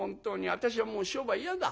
私はもう商売嫌だ。